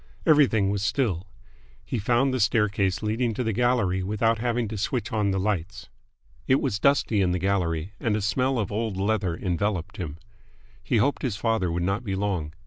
Everything was still. He found the staircase leading to the gallery without having to switch on the lights. It was dusty in the gallery, and a smell of old leather enveloped him. He hoped his father would not be long.